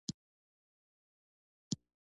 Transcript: افغانستان د سرحدونه د ترویج لپاره پروګرامونه لري.